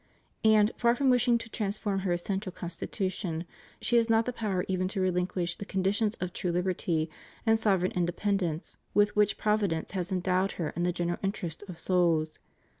And, far from wishing to transform her essen tial constitution, she has not the power even to relinquish the conditions of true liberty and sovereign independence with which Providence has endowed her in the general interest of souls.